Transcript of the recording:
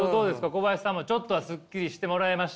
小林さんもちょっとはすっきりしてもらえました？